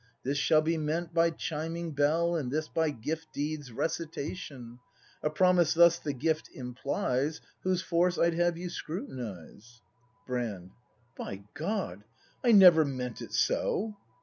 This shall be meant by chiming bell. And this by Gift deed's recitation. A promise thus the Gift implies. Whose force I'd have you scrutinise ■ Brand. By God, I never meant it so!